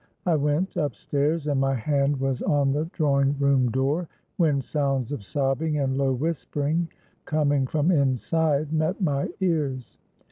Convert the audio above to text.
I went up stairs, and my hand was on the drawing room door, when sounds of sobbing and low whispering, coming from inside, met my ears.